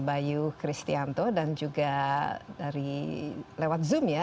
bayu kristianto dan juga dari lewat zoom ya